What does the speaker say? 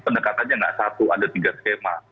pendekatannya tidak satu ada tiga skema